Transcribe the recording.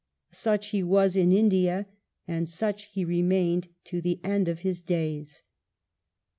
Such he was in India, and such he remained to the end of his days.